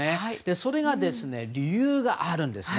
それが理由があるんですね。